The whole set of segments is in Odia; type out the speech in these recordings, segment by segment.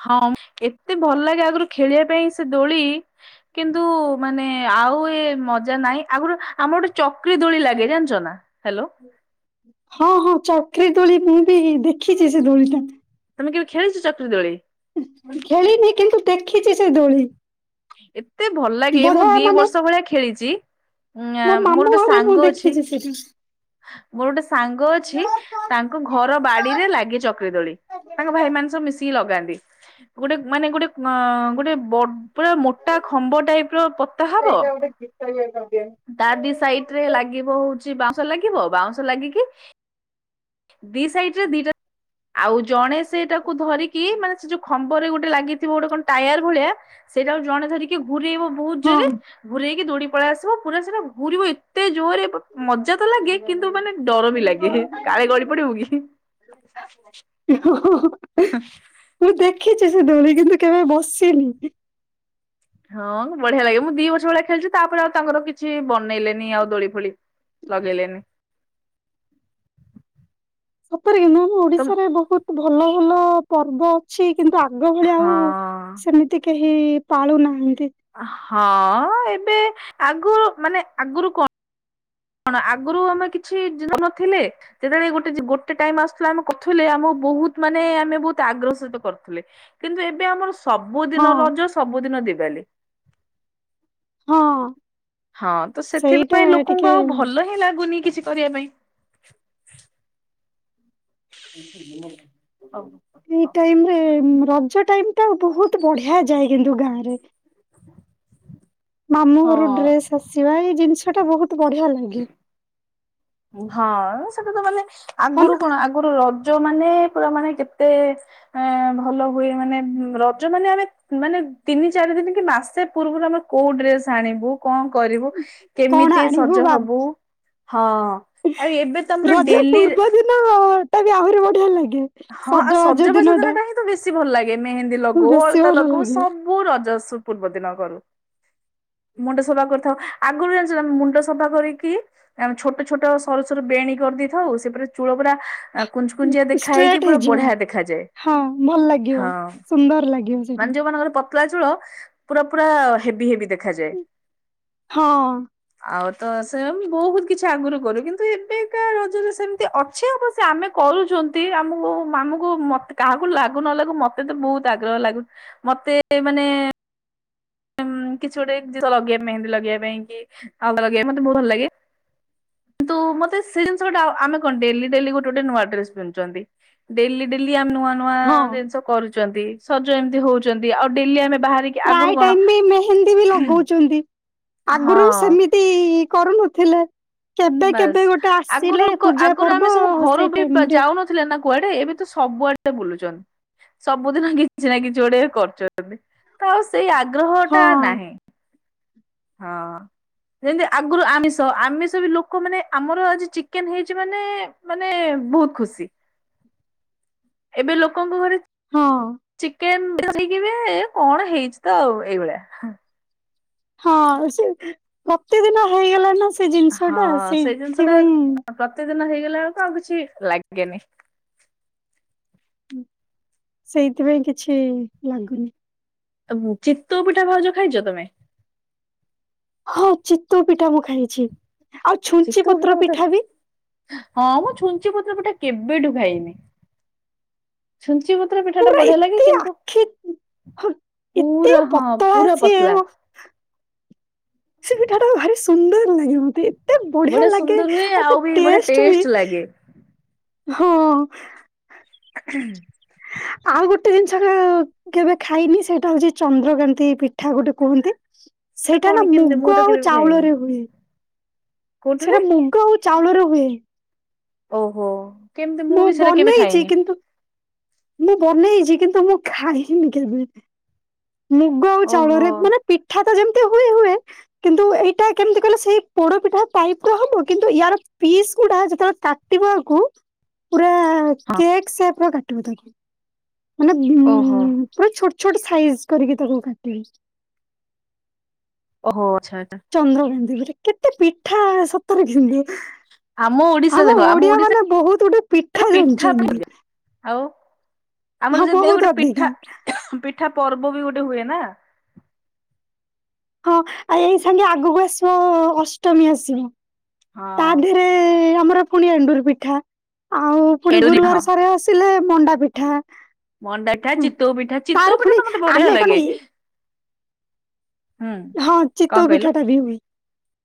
ହଁ ଏତେ ଭଲ ଲାଗେ ଆଗରୁ ଖେଳିବା ପାଇଁ ସେ ଦୋଳି। କିନ୍ତୁ ମାନେ ଆଉ ଏ ମଜା ନାହିଁ ଆଗରୁ ଆମ ଗୋଟେ ଚକ୍ରି ଦୋଳି ଲାଗେ ଜାଣିଛ ନା? ହ୍ୟାଲୋ। ହଁ, ହଁ ଚକ୍ରୀ ଦୋଳି ମୁଁ ବି ଦେଖିଛି ସେ ଦୋଳିଟା। ତୋମେ କେବେ ଖେଳିଛ ଚାକ୍ରୀ ଦୋଳି? ଖେଳିନି କିନ୍ତୁ ଦେଖିଚି ସେ ଦୋଳି। ଏତେ ଭଲ ଲାଗେ ମୁଁ ବଢିଆ ଦି ମାନେ ବର୍ଷ ଭଳିଆ ଖେଳିଚି। ଉଁ, ମୋ ଆଁ, ମୋର ମାମୁଁ ଗୋଟେ ଘରେ ମୁଁ ସାଙ୍ଗ ଅଛି [unintelligible] ମୋର ଗୋଟେ ସାଙ୍ଗ ଅଛି, ତାଙ୍କ ଘର ବାଡିରେ ଲାଗେ ଚକ୍ରୀ ଦୋଳି। ତାଙ୍କ ଭାଇ ମାନ ସବୁ ମିଶିକି ଲଗାନ୍ତି। ଗୋଟେ ମାନେ ଗୋଟେ ଅଁ, ଗୋଟେ ବ ପୁରା ମୋଟା ଖମ୍ବ ଟାଇପ୍ ର ପୋତା ହବ। ଏଇଟା ଗୋଟେ ଗୀତ ଇଏ କରିଦିଅ। ତା ଦି ସାଇଟ୍ ରେ ଲାଗିବ ହଉଚି ବାଉଁ ଶ ଲାଗିବ ବାଉଁଶ ଲାଗିକି ଦି ସାଇଟ୍ ରେ ଦିଟା ଆଉ ଜଣେ ସେଇଟାକୁ ଧରିକି ମାନେ ସେ ଯୋଉ ଖମ୍ବରେ ଗୋଟେ ଲାଗିଥିବ ଗୋଟେ କଣ ଟାୟାର୍ ଭଳିଆ। ସେଇଟା କୁ ଜଣେ ଧରିକି ଘୁରେଇବ ବହୁତ ଜୋରେ। ହଁ। ଘୁରେଇକି ଦୌଡି ପଳେଇ ଆସିବ। ପୁରା ସେଟା ଘୁରିବ ଏତେ ଜୋରରେ ପ-ମ ଜା ତ ଲାଗେ, କିନ୍ତୁ ମାନେ ଡର ବି ଲାଗେ, ହେ କାଳେ ଗଳି ପଡିବୁ କି। ଓ ହଁ। ମୁଁ ଦେଖିଚି ସେ ଦୋଳି, କିନ୍ତୁ କେବେ ବସିନି। ହଁ ବଢିଆ ଲାଗେ, ମୁଁ ଦି ବର୍ଷ ଭଳିଆ ଖେଳିଚି। ତାପରେ ଆଉ ତାଙ୍କର କିଛି ବନେଇଲେନି ଆଉ ଦୋଳି ଫୋଳି। ଲଗେଇଲେନି। ସତରେ କିନ୍ତୁ ଆମ ତ ଓଡିଶାରେ ବହୁତ ଭଲ ଭଲ ପର୍ବ ଛି, କିନ୍ତୁ ଆଗ ଭଳି ହଁ ଆଉ ସେମିତି କେହି ପାଳୁ ନାହାନ୍ତି। ହଁ ଏବେ ଆଗରୁ ମାନେ ଆଗରୁ କଣ କଣ ଆଗରୁ ଆମେ କିଛି [inaudible] ନଥିଲେ। ଯେତେବେଳେ ଗୋଟେ ଯେ ଗୋଟେ ଟାଇମ୍ ଆସୁଥିଲା ଆମେ କଥୁଲେ। ଆମକୁ ବହୁତ ମାନେ ଆମେ ବହୁତ ଆଗ୍ରହ ସହିତ କରୁଥିଲେ। କିନ୍ତୁ ଏବେ ଆମର ହଁ ସବୁଦିନ ରଜ, ସବୁଦିନ ଦିିବାଲୀ। ହଁ। ହଁ ତ ସେଇଟା ସେଥିପାଇଁ ଲୋକଙ୍କୁ ଟିକେ ଆଉ ଭଲ ହିଁ ଲାଗୁନି କିଛି କରିବା ପାଇଁ। ହୋ ଏଇ ଟାଇମ୍ ରେ ରଜ ଟାଇମ୍ ଟା ବହୁତ ବଢିଆ ଯାଏ କିନ୍ତୁ ଗାଁ ରେ। ମାମୁଁ ଘରୁ ହଁ ଡ୍ରେସ୍ ଆସିବା ଏଇ ଜିନିଷ ଟା ବହୁତ ବଢିଆ ଲାଗେ। ହଁ ସେଟା ତ ମାନେ ଆଗରୁ କଣ ଆଗରୁ ରଜ ମାନେ ପୁରା ମାନେ କେତେ ଆଁ, ଭଲ ହୁଏ ମାନେ ଉଁ, ରଜ ମାନେ ଆମେ ମାନେ ତିନି ଚାରି ଦିନ କି ମାସେ ପୂର୍ବରୁ ଆମେ କୋଉ ଡ୍ରେସ୍ ଆଣିବୁ, କଣ କରିବୁ? କଣ କେମିତି ଆଣିବୁ ସଜ ବା ହବୁ। ହଁ। ଆଉ ଏବେ ତମର ରଜ ଡେଲି ପୂର୍ବ ଦିନ ଟା ବି ଆହୁରି ବଢିଆ ଲାଗେ। ସଜବାଜ ଦିନ ଟା। ତ ବେଶୀ ଭଲ ଲାଗେ। ମେହେନ୍ଦୀ ଲଗଉ, ବେଶୀ ଅଳତା ଭଲ ଲଗଉ, ଲାଗେ ସବୁ ରଜ ସୁ-ପୂର୍ବ ଦିନ କରୁ। ମୁଣ୍ଡ ସଫା କରିଥାଉ। ଆଗରୁ ଜାଣିଚନା ମୁଣ୍ଡ ସଫା କରିକି ଆମେ ଛୋଟ ଛୋଟ ସରୁ ସରୁ ବେଣୀ କରିଦେଇଥାଉ। ସିଏ ପୁରା ଚୂଳ ପୁରା ଏ କୁଞ୍ଚୁ କୁଞ୍ଚିଆ ଦେଖା ହେଇକି ଷ୍ଟ୍ରେଟ ପୁରା ହେଇଯିବ ବଢିଆ ଦେଖାଯାଏ। ହଁ ଭଲ ଲାଗିବ, ହଁ ସୁନ୍ଦର ଲାଗିବ ସେଇଟା। ତଳା ଚୂଳ ପୁରା ପୁରା ହେବି ହେବି ଦେଖାଯାଏ। ହଁ। ଆଉ ତ ସେମ୍ ବହୁତ କିଛି ଆଗରୁ କରୁ। କିନ୍ତୁ ଏବେକା ରଜରେ ସେମ ତି ଅଛି ଆବଶ୍ୟ ଆମେ କରୁଚନ୍ ତି ଆମକୁ ଆମକୁ ମୋତେ କାହାକୁ ଲାଗୁ ନ ଲାଗୁ ମୋତେ ତ ବହୁତ ଆଗ୍ରହ ଲାଗୁ ମୋତେ ଏ ମାନେ ଉଁ, କିଛି ଗୋଟେ ଜିନିଷ ଲଗେଇବା, ମେହେନ୍ଦୀ ଲଗେଇବା ପାଇଁ କି, ଅଳତା ଲଗେଇବା ମୋତେ ବହୁତ ଭଲ ଲାଗେ। କିନ୍ତୁ ମତେ ସେଇ ଜିନିଷଟା ଆମେ କଣ ଡେଲି ଡେଲି ଗୋଟେ ଗୋଟେ ନୂଆ ଡ୍ରେସ ପିନ୍ଧୁଛନ୍ତି। ଡେଲି ଡେଲି ଆମେ ନୂଆ ନୂଆ ହଁ ଜିନିଷ କରୁଛନ୍ତି ସଜ ଏମିତି ହଉଛନ୍ତି ଆଉ ଡେଲି ଆମେ ବାହାରି। ପ୍ରାୟ ଟାଇମ୍ ବି ମେହେନ୍ଦୀ ବି ଲଗଉଛନ୍ତି ଆଗରୁ ହଁ ସେମିତି। ଚି କରୁ ନଥିଲେ। କେବେ ବାସ୍ କେବେ ଗୋଟେ ଆଗରୁ ଆସିଲେ କ ପୂଜା ପର୍ବ ସେଇ ଟାଇମ ରେ। ଥିଲେ ନା କୁଆଡେ ଏବେ ତ ସବୁାଆଡେ ବୁଲୁ ଛନ୍। ସବୁଦିନ କିଛି ନା କିଛି ଗୋଟେ କରୁଛନ୍ତି ତ ଆଉ ସେଇ ହଁ ଆଗ୍ରହଟା ନାହିଁ। ହଁ। ଯେମିତି ଆଗରୁ ଆମିଷ ଆମିଷ ବି ଲୋକ ମାନେ ଆମର ଆଜି ଚିକେନ ହେଇଛି ମାନେ। ମାନେ ବହୁତ ଖୁସି। ଏବେ ଲୋକଙ୍କ ଘରେ ହଁ ଚିକେନ। କି ବେ ଏ କଣ ହେଇଛି ତ ଆଉ ଏଇଭଳିଆ‌ ହାଁ। ହଁ ସେ ପ୍ରତିଦିନ ହେଇଗଲାଣି ନା ସେ ହଁ ଜିନିଷଟା ସେଇ ଜିନିଷ ଟା ସେଇଥିପାଇଁ। ପ୍ରତିଦିନ ହେଇଗଲା ବେଳକୁ ଆଉ କିଛି ଲାଗେନି। ହୁଁ ସେଇଥି ପାଇଁ କିଛି ଲାଗୁନି। ତ ବୁ ଚିତୋଉ ପିଠା ଭାଉଜ ଖାଇଛ ତମେ। ହଁ ଚିତୋଉ ପିଠା ମୁଁ ଖାଇଛି ଆଉ ଛୁଞ୍ଚି ଚିତଉ ପତ୍ର ମତେ ପିଠା ବି। ହଁ ମୁଁ ଛୁଞ୍ଚି ପତ୍ର ପିଠା କେବେ ଠୁ ଖାଇନି। ଛୁଞ୍ଚି ପତରେ ପିଠା ଟା ପୁରା ବଢିଆ ଲାଗେ ଏତେ କିନ୍ତୁ। ଆଖି ହଁ ଏତେ ପୁରା ହଁ ପତଳା ପୁରା ସିଏ ପତଲା। ସେ ପିଠା ଟା ଭାରି ସୁନ୍ଦର ଲାଗେ ମତେ ଏତେ ବଢିଆ ଲାଗେ ସୁନ୍ଦର ହୁଏ ଆ ଆଉ ତା ବି ବଢିଆ ଟେଷ୍ଟ ବି। ଲାଗେ। ହଁ। ହୁଁ ଆଉ ଗୋଟେ ଜିନିଷ କ କେବେ ଖାଇନି ସେଇଟା ହଉଛି ଚନ୍ଦ୍ରକାନ୍ତି ପିଠା ଗୋଟେ କୁହନ୍ତି। ସେଟା ସେଇଟା କଣ ନା କେମିତି ମୁଁ ମୁଗ ତ ଆଉ କେବେ ବି ଖାଇନି ଚାଉଳରେ ହୁଏ। କୋଉଠିରେ ସେଟା ମୁଗ ଆଉ ଚାଉଳରେ ହୁଏ। ଓହୋ କେମିତି ମୁଁ ବି ସେଇଟା କେବେ ବନେଇଛି ଖାଇନି। କିନ୍ତୁ ମୁଁ ବନେଇ ଛି କିନ୍ତୁ ମୁଁ ଖାଇନି କେବେ। ମୁଗ ଆଉ ଓହୋ ଚାଉଳରେ ମାନେ ପିଠା ତ ଯେମିତି ହୁଏ ହୁଏ। କିନ୍ତୁ ଏଇଟା କେମିତି କହିଲ ସେଇ ପୋଡପିଠା ଟାଇପ ର ହବ କିନ୍ତୁ ୟାର ପିସ୍ ଗୁଡା ଯେତେବେଳେ କା ଟିବ ଆକୁ ପୁରା ହଁ କେକ୍ ସେପ ର କାଟିବା ତାକୁ ମାନେ। ଓହୋ। ଉଁ ପୁରା ଛୋଟ ଛୋଟ ସାଇଜ କରିକି ତାକୁ କାଟିବ। ଓହୋ ଆଚ୍ଛା ଆଚ୍ଛା। ଚନ୍ଦ୍ର କାନ୍ତି ପିଠା କେତେ ପିଠା। ତର [unintelligible] ଆମ ଓଡିଶା ଆମ ଦେଖ ଓଡିଆ ମାନେ ଓଡିଶାରେ ବହୁତ ଗୁଡେ ପିଠା ଜାଣିଛନ୍ତି। ଆଉ ହଁ ଆମର ଯେଦି ପାଇଁ ଗୋଟେ ବହୁତ ଅଧିକା ପିଠା ପିଠା ପର୍ବ ବି ଗୋଟେ ହୁଏ ନା। ହଁ ଆଉ ଏଇ ସାଙ୍ଗେ ଆଗକୁ ଆସିବ ଅଷ୍ଟମୀ ଆସିବ ହଁ ତା ଦେହରେ। ଏ ଆମର ପୁଣି ଏଣ୍ଡୁରି ପିଠା ଆଉ ପୁଣି ଏଣ୍ଡୁରି ପିଠା ଗୁରୁବାର ସରିବ ସ୍ ଥିଲେ ମଣ୍ଡା ପିଠା। ମଣ୍ଡା ପିଠା ଚିତଉ ପିଠା ଚିତଉ ତାର ପୁଣି ପିଠା ତ ମତେ ବଢିଆ ଆମେ କଣ ଲାଗେ। ଏଇ ହୁଁ। ହଁ କଣ ଚିତଉ କହିଲ? ପିଠା ଟା ବି ହୁଏ। [inaudible]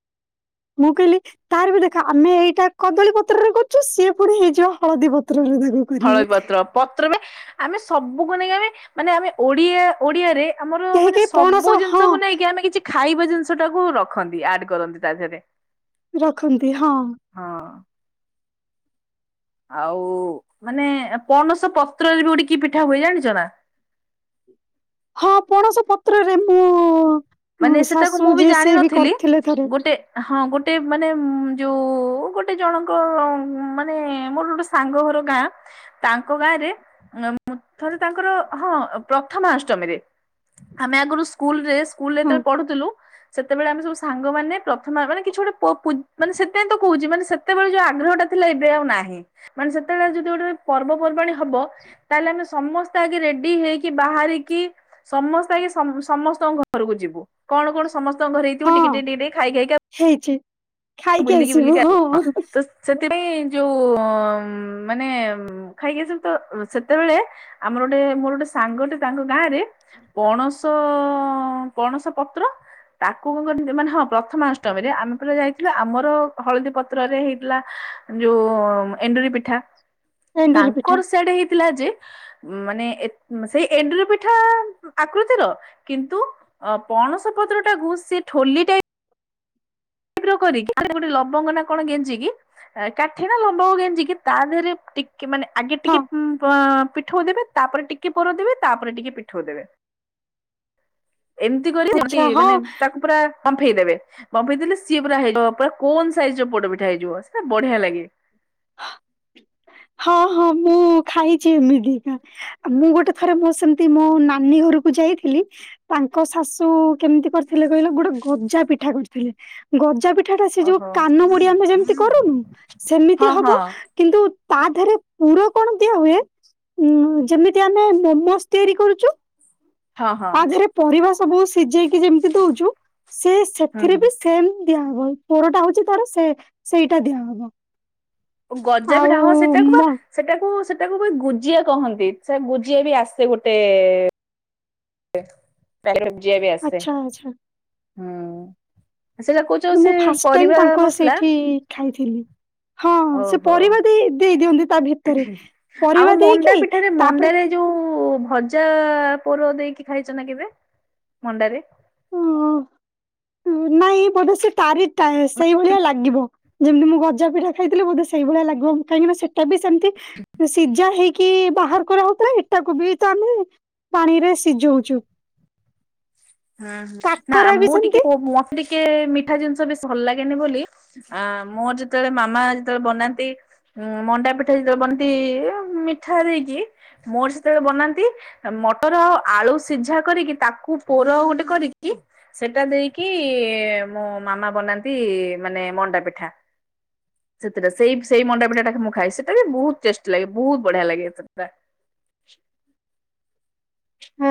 ମୁଁ କ ଇଲି। ତାର ବି ଦେଖ ଆମେ ଏଇଟା କଦଳୀ ପତ୍ରରେ କରୁଛୁ ସିଏ ପୁଣି ହେଇଯିବ ହଳଦୀ ପତ୍ରରୁ ତାକୁ। କରିବେ ହଳଦୀ ପତ୍ର ପତ୍ର ବେ ଆମେ ସବୁକୁ ନେଇ ଆମେ ମାନେ ଆମେ ଓଡିଆ ଓଡିଆରେ। ଆମର କେହି ମାନେ କେହି ପଣସ ସବୁ ହଁ ଜିନିଷକୁ ନେଇକି ଆମେ କିଛି। ଖାଇବା ଜିନିଷ ଟାକୁ ରଖନ୍ତି ଆଡ କରନ୍ତି ତା ଦେହରେ। ରଖନ୍ତି ହଁ। ହଁ। ଆଉ ମାନେ ପଣସ ପତ୍ରରେ ବି ଗୋଟେ କି ପିଠା ହୁଏ ଜାଣିଚ ନା। ହଁ ପଣସ ପତ୍ରରେ ମୁଁ ହଁ ମାନେ ସେଟାକୁ ଶାଶୁ ମୁଁ ବି ଯିଏ ସିଏ ଜାଣିନଥିଲି କରିଥିଲେ ଥରେ ଗୋଟେ ହଁ ଗୋଟେ ମାନେ ଯୋଉ ଗୋଟେ ଜଣଙ୍କ ମାନେ ମୋର ଗୋଟେ ସା ସାଙ୍ଗ ଘର ଗାଁ। ତାଙ୍କ ଗାଁରେ ମୁ ଥରେ ତାଙ୍କର ହଁ ପ୍ରଥମା ଅଷ୍ଟମୀରେ--' ଆମେ ଆଗରୁ ସ୍କୁଲ ରେ ସ୍କୁଲରେ ହଁ ଯେତେବେଳେ ପଢୁଥିଲୁ ସେତେବେଳେ ଆମେ ସବୁ ସାଙ୍ଗମାନେ ପ୍ରଥମା ମାନେ କିଛି ଗୋଟେ ପ ପୁଜ ମାନେ ସେଥିପାଇଁ ତ କହୁଚି ମାନେ ସେତେବେଳେ ଯୋଉ ଆଗ୍ରହଟା ଥିଲା ଏବେ ଆଉ ନାହିଁ ମାନେ ସେତେବେଳେ ଯଦି ଗୋଟେ ପର୍ବପର୍ବାଣୀ ହବ ତାହେଲେ ଆମେ ସମସ୍ତେ ଆଗେ ରେଡି ହେଇକି ବାହାରିକି ସମସ୍ତେ ଆଗେ ସମ୍ ସମସ୍ତଙ୍କ ଘ ଘରକୁ ଯିବୁ କଣ କଣ ସମସ୍ତଙ୍କ ଘରେ ହେଇଥିବ ଟିକେ ଟିକେ ଟିକେ ଟିକେ ଖାଇ ଖାଇକା ହେଇଚି ଖାଇକି ବୁଲିକି ଆସିବୁ ବୁଲିକି ହଁ। ତ ସେଥିପାଇଁ ଯୋଉ ମାନେ ଖାଇକି ଆସିଲି ତ ସେତେବେଳେ---' ଆମର ଗୋଟେ ମୋର ଗୋଟେ ସାଙ୍ଗଟେ ତାଙ୍କ ଗାଁ ରେ ପଣସ ପଣସ ପତ୍ର। ତାକୁ କଁ କରନ୍ତି ମାନେ ହଁ ପ୍ରଥମା ଅଷ୍ଟମିରେ ଆମେ ପୁରା ଯାଇଥି ଥିଲୁ ଆମର ହଳଦୀ ପତ୍ରରେ ହେଇଥିଲା ଯୋଉ ଏଣ୍ଡୁରି ପିଠା। ଏଣ୍ଡୁରି ପିଠା ତାଙ୍କର ସେଆଡା ହେଇଥିଲା ଯେ ମାନେ ଏତ ସେଇ ଏଣ୍ଡୁରି ପିଠା ଆକୃତିର କିନ୍ତୁ ଅ ପଣସ ପତ୍ର ଟା କୁ ସେ ଠୋଲି ଟାଇପ ପି ର କରିକି ଗୋଟେ ଲବଙ୍ଗ ନା କଣ ଗେଞ୍ଜିକି କାଠି ନା ଲବଙ୍ଗ ଗେଞ୍ଜିକି ତା ଦେହରେ ଟିକି କି ମାନେ ଆଗେ ହଁ ଟିକେ ପଁ ପିଠୋଉ ଦେବେ ତାପରେ ଟିକେ ପୁର ଦେବେ ତାପରେ ଟିକେ ପିଠୋଉ ଦେବେ। ଏମିତି କରି ସେମତି ଆଚ୍ଛା ହଁ ମାନେ ତାକୁ ପୁରା ବମ୍ଫେଇଦେବେ ବମ୍ଫେଇ ଦେଲେ ସିଏ ପୁରା ହେଇଯିବ ପୁରା କୋନ ସାଇଜ ର ପୋଡପିଠା ହେଇଯିବ ସେଇଟା ବଢିଆ ଲାଗେ। ହଁ ହଁ ମୁଁ ଖାଇଚି ଏମିତିକ ମୁଁ ଗୋଟେ ଥରେ ମୋ ସେମତି ମୋ ନାନୀ ଘରକୁ ଯାଇଥିଲି ତାଙ୍କ ଶାଶୁ କେମହସତି କରିଥିଲେ କଇଲ ଗୋଟେ ଗଜା ପିଠା କରିଥିଲେ ଗଜା ପିଠା ପିଠା ଟା ସେ ଯୋଉ ଓହୋ। କାନ ବୁଡି ଆମେ ଯେମତି କରୁନୁ ସେମିତି ହଁ ହଁ ହବ କିନ୍ତୁ ତା ଦେହରେ ପୁର କଣ ଦିଆ ହୁଏ ଉ ଯେମିତି ଆମେ ମୋମୋସ୍ ତିଆରି କରୁଚୁ ହଁ ହଁ ତା ଧେରେ ପରିବା ସବୁ ସିଜେଇକି ଯେମିତି ଦଉଚୁ ସେ ହୁଁ ସେଥିରେ ବି ହୁଁ ଥେମ ଦିଆ ହବ ପୋଡଟା ହୋଉଚି ତାର ସେମ ସେଇଟା ଦିଆ ହବ। ଗଜା ପିଠା ହଁ ମ ସେଟାକୁପା ସେଟାକୁ ସେଟାକୁ ଗୁଜିଆ କହନ୍ତି ସେ ଗୁଜିଆ ବି ଆସେ ଗୋଟେ ଏ ପେଲପ ଯିଏ ବି ଆସେ ଆଚ୍ଛା ଆଚ୍ଛା। ହୁଁ। ସେଟା କହୁଛ ମୁଁ ସେ ଫାଷ୍ଟ ଟାଇମ ପରିବା ତାଙ୍କର ମସଲା ସେଇଠି ଖାଇଥିଲି। ହଁ ହଁ ସେ ଓହୋ ପରିବା ଦେଇ ଦେଇଦିଅନ୍ତି ତା ଭିତରେ ପରିବାଦେଇକି ତାପରେ ସେ ଯୋଉ ଭଜା ପୋର ଦେଇକି ଖାଇଚ ନା କେବେ ମଣ୍ଡାରେ। ଓହ ଉ ନାଇଁ ବୋଧେ ସେ ତାରିଟାଏ ସେଇଭଳିଆ ଲାଗିବ। ଯେମତି ମୁଁ ଗଜାପିଠା ଖାଇଥିଲି ବୋଧେ ସେଇ ଭଳିଆ ଲାଗିବ କାହିଁକିନା ସେଟା ସେମତି ସିଜା ହେଇ କି ବାହାର କରାହଉଥିଲା କି ଏଇଟାକୁ ବି ତ ଆମେ ପାଣିରେ ସିଯୋଉଚୁ। ହୁଁ ହୁଁ ନା କାକରା ବି ମୁଁ ଟିକେ ସେମିତି ମତେ ଟିକେ ମିଠା ଜିନିଷ ବେଶି ଭଲ ଲାଗେନି ବୋଲି ଆ ମୋର ଯେତେବେଳେ ମାମା ଯେତେବେଳେ ବନାନ୍ତି ଉଁ ମଣ୍ଡା ପିଠା ଯେତେବେଳେ ବନାନ୍ତି ମିଠା ଦେଇକି ମୋର ସେତେବେଳେ ବନାନ୍ତି ମଟର ଆଳୁ ସିଝା କରିକି ତାକୁ ପୋର ଉ ଗୋଟେ କରିକି। ସେଟା ଦେଇକି ଏ ମୋ ମାମା ବନାନ୍ତି ମାନେ ମଣ୍ଡା ପିଠା। ସେତେଟା ସେଇ ସେଇ ମଣ୍ଡାପିଠା ଟାକୁ ମୁଁ ଖାଏ ସେଟା ବି ବୋହୁତ ଟେଷ୍ଟେ ଲାଗେ ବୋହୁତ ବଢ଼ିଆ ଲାଗେ ସେଟା।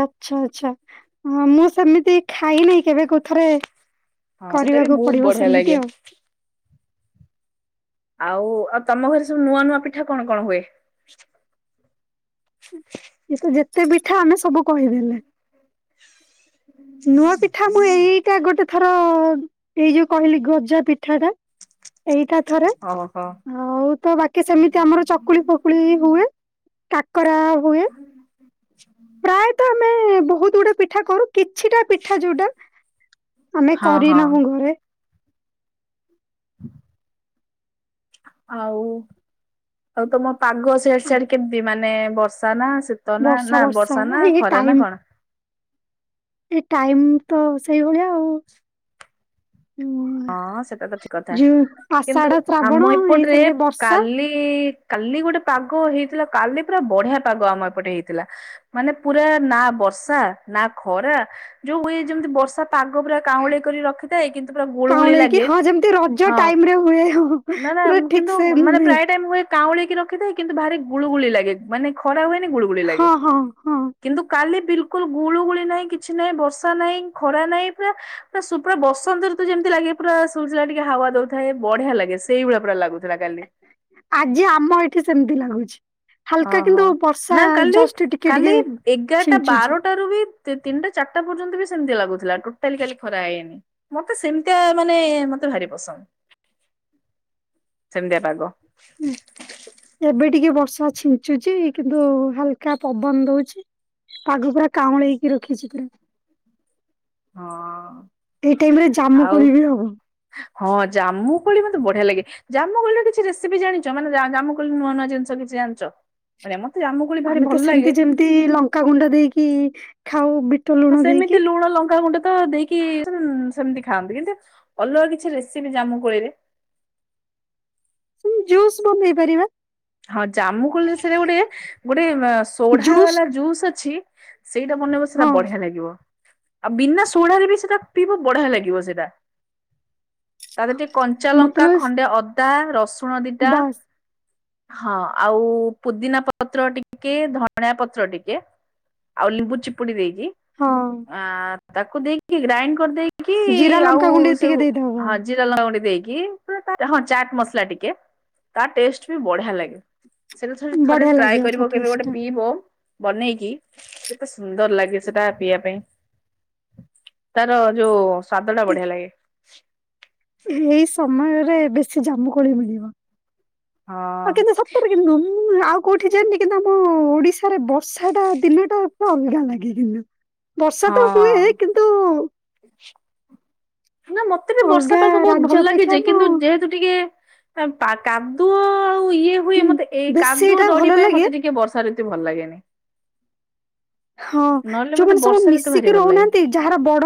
ଆଚ୍ଛା ଆଚ୍ଛା ମୁଁ ସେମିତି ଖାଇ ନାହିଁ କେବେ କୋଉଥିରେ ସେଟା ବି କରିବାକୁ ବହୁତ ପଡିବ ବଢିଆ ଲାଗେ ସେମିତି ଆଉ। ଆଉ ଆ ତମ ଘରେ ସବୁ ନୂଆ ନୂଆ ପିଠା କଣ କଣ ହୁଏ? ଏ ତ ଯେତେ ପିଠା ଆମେ ସବୁ କହିଦେଲେ। ନୂଆ ପିଠା ମୁଁ ଏ ଏଇଟା ଗୋଟେ ଥର ଏଇ ଯୋଉ କହିଲି ଗଜା ପିଠା ଟା ଏଇଟା ଥରେ ଓହୋ ଆଉ ତ ବାକି ସେମିତି ଆମର ଚ କୁଳି ଫକୁଳି ହୁଏ କାକରା ହୁଏ। [unintelligible] ପ୍ରାୟତଃ ଆମେ ବହୁତ ଗୁଡେ ପିଠା କରୁ କିଛିଟା ପିଠା ଯୋଉଟା ଆମେ ହଁ କରି ହଁ। ନାହୁଁ ଘରେ। [inaudible] ଆଉ ଆଉ ତମ ପାଗ ସେଆଡ଼େ ଆ ସେଆଡ଼େ କେମତି ମାନେ ବର୍ଷା ନା ସେ ତ ନା ନା ବର୍ଷା ନା ଖରା ନା କଣ? ଏ ଟାଇମ ତ ସେଇଭଳିଆ ଆଉ। ଉଁ ହଁ ସେଟା ତ ଠିକ କଥା। ଯେଉଁ କିନ୍ତୁ ଆଷାଢ଼, ଶ୍ରାବଣ ଏଇ ସାଙ୍ଗେ ବର୍ଷା କି କାଲି ଗୋଟେ ପାଗ ହେଇଥିଲା କାଲି ପୁରା ବଢ଼ିଆ ପାଗ ଆମ ଏପଟେ ହେଇଥିଲା। ମାନେ ପୁରା ନା ବର୍ଷା ନା ଖରା ଯଉଁ ଉଏ ଯେମତି ବର୍ଷା ପାଗ ପୁରା କାଉଁଳି କରି ରଖିଥାଏ। କିନ୍ତୁ ପୁରା ଗୁଳୁ ଗୁଳି କାଉଁଳେଇକି ଲାଗେ ହଁ ଯେମିତି ରଜ ହଁ ଟାଇମ ରେ ହୁଏ ହଁ ନା ନା ପୁରା ଉଁ ଠିକ କିନ୍ତୁ ସେ ମ ମାନେ ପ୍ରାୟ ଟାଇମ୍ ହୁଏ କାଉଁଳେଇକି ରଖିଥାଏ କିନ୍ତୁ ଭାରି ଗୁଳୁଗୁଳି ଲାଗେ ମାନେ ଖରା ହୁଏନି ଗୁଳୁଗୁଳି ଲାଗେ। ହଁ ହଁ ହଁ। କିନ୍ତୁ କାଲି ବିଲକୁଲ ଗୁଳୁଗୁଳି ନାହିଁ କିଛି ନାହିଁ ବର୍ଷା ନାହିଁ ଖରା ନାହିଁ ପୁରା ପୁରା ସୁପ ରେ ବସନ୍ତରି ତୁ ଯେମତି ଲାଗେ ପୁରା ସୁଲସୁଲିଆ ଟିକେ ହାୱା ଦଉଥାଏ ବଢିଆ ଲାଗେ ସେଇଭଳିଆ ପୁରା ଲାଗୁଥିଲା କାଲି। ଆଜି ଆମ ଏଠି ସେମତି ଲାଗୁଛି। ହାଲକା ଓହୋ କିନ୍ତୁ ବର୍ଷା ନା କାଲି ଜଷ୍ଟ୍ ଟିକେ ଟିକେ ଛିଞ୍ଚୁଚି ଟାରୁ ବି ତିନ ତିନିଟା ଚାରିଟା ପର୍ଯ୍ୟନ୍ତ ବି ସେମିତି ଲାଗୁଥିଲା ଟୋଟାଲି କାଲି ଖରା ହେଇନି। ମତେ ସେମିତିଆ ମାନେ ମୋତେ ଭାରି ପସନ୍ଦ। ସେମିତିଆ ପାଗ। ଏବେ ଟିକେ ବର୍ଷା ଛିଞ୍ଚୁଚି କିନ୍ତୁ ହାଲକା ପବନ ଦଉଛି। ପାଗ ପୁରା କାଉଁଳେଇକି ରଖିଛି ପୂର୍ ହଁ ଏଇ ଟାଇମ ରେ ଜାମୁ ଆଉ କୋଳି ବି ହବ। ହଁ ଜାମୁ କୋଳି ମୋତେ ବଢିଆ ଲାଗେ ଜାମୁ କୋଳିରେ କିଛି ରେସିପି ଜାଣିଛ ମାନେ ଜା ଜାମୁ କୋଳି ନୂଆ ନୂଆ ଜିନିଷ କିଛି ଜାଣିଛ? [unintelligible] ମୋତେ ଜାମୁ କୋଳି ଭାରି ଆମେ ତ ଭଲ ଲାଗେ। ସେମତି ଯେମିତି ଲଙ୍କାଗୁଣ୍ଡ ଦେଇକି ଖାଉ ବି ଆ ସେମିତି ଲୁଣ ଲଙ୍କା ଗୁଣ୍ଡ ତ ଦେଇକି କି ତୁନ ସେମତି ଖାଆନ୍ତି କିନ୍ତୁ ଅଲଗା କିଛି ରେସିପି ଜାମୁ କୋଳିରେ ଉଁ ଜୁସ୍ ବନେଇ ପାରିବା। ହଁ, ଜାମୁ କୋଳିରେ ସେଟା ଗୋଟେ ଗୋଟେ ଆ ସୋଢା ବାଲା ଜୁସ୍ ଅଛି। ସେଇଟା ବନେଇବ ସେଇଟା ହଁ ବଢିଆ ଲାଗିବ ଆଉ ବିନା ସୋଢ଼ାରେ ବି ସେଟା ପିଇବ ବଢିଆ ଲାଗିବ ସେଟା। ତା ଦିରେ ଟିକେ କଞ୍ଚା ଲଙ୍କା, ମତଲବ ଖଣ୍ଡେ ଅଦା, ରସୁଣ ଦିଟା ବାସ୍ ହଁ ଆଉ ପୁଦିନାପତ୍ର ଟିକେ ଧଣିଆପତ୍ର ଟିକେ। ଆଉ ଲିମ୍ବୁ ଚିପୁଡ଼ି ଦେଇକି ହଁ। ଆ ତାକୁ ଦେଇକି ଗ୍ରାଇଣ୍ଡ କରିଦେଇକି ଜିରା ଲଙ୍କା ଆଉ ଗୁଣ୍ଡ ଟିକେ ସେଉ ଦେଇଦବ। ହଁ ଯେତେ ଚାଲା ଗୋଟେ ଦେଇକି ହଁ ଚାଟ ମସଲା ଟିକେ ତା ଟେଷ୍ଟ ବି ବଢିଆ ଲାଗେ। ସେଟା ଥରେ ଥରେ ବଢିଆ ଟ୍ରାଏ ଲାଗିବ ତା କରିବ କେବେ ଟେଷ୍ଟ ଗୋଟେ ଟା। ପିଇବ। ବନେଇକି କେତେ ସୁନ୍ଦର ଲାଗେ ସେଟା ପିଇବା ପାଇଁ। ତାର ଯୋଉ ସ୍ଵାଦ ଟା ବଢ଼ିଆ ଲାଗେ। ଏହି ସମୟରେ ବେଶୀ ଜାମୁକୋଳି ମିଳିବ। ହଁ ଆଉ କିନ୍ତୁ ସତରେ କିନ୍ତୁ ମୁଁ ଆଉ କୋଉଠି ଜାଣନି କିନ୍ତୁ ଆମ ଓଡିଶାରେ ବର୍ଷାଟା ଦିନଟା ଅଲଗା ଲାଗେ କିନ୍ତୁ। ବର୍ଷା ତ ହୁଏ ହଁ କିନ୍ ନା ମତେ ବି ବର୍ଷା ଅଲଗା ପାଗ ବହୁତ ରାଜ୍ୟ ଭଲ ଲାଗେ ଅପେକ୍ଷା ଯେ ଆମ କିନ୍ତୁ ଯେହେତୁ ଟିକେ ପା କାଦୁଅ ଆଉ ଇଏ ହୁଏ ମତେ ଏଇ ବେଶୀ କାଦୁଅ ଏଇଟା ଦଢି ଭଲ ପାଇଁ ଲାଗେ ମତେ ଟିକେ ବର୍ଷା ଋ ଭଲ ଲାଗେନି। ହଁ, ନହେଲେ ମତେ ଯୋଉମାନେ ସବୁ ବର୍ଷା ଋତୁ ଭାରି ମିଶିକି ଭଲ ରହୁ ଲାଗେ। ନାହାନ୍ତି ଯାହାର ବଡ